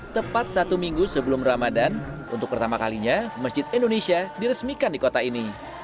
tepat satu minggu sebelum ramadan untuk pertama kalinya masjid indonesia diresmikan di kota ini